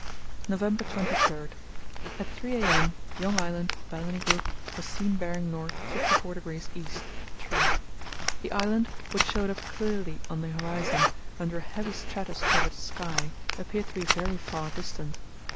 "November 23.—At 3 a.m. Young Island, Balleny Group, was seen bearing north 54° east (true). The island, which showed up clearly on the horizon, under a heavy stratus covered sky, appeared to be very far distant.